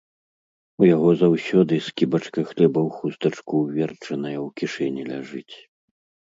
У яго заўсёды скібачка хлеба ў хустачку ўверчаная ў кішэні ляжыць.